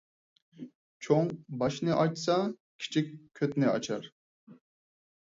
چوڭ باشنى ئاچسا، كىچىك كۆتنى ئاچار